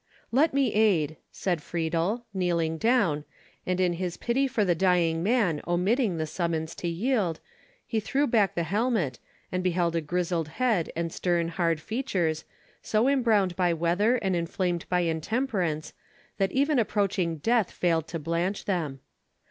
"Let me aid," said Friedel, kneeling down, and in his pity for the dying man omitting the summons to yield, he threw back the helmet, and beheld a grizzled head and stern hard features, so embrowned by weather and inflamed by intemperance, that even approaching death failed to blanch them.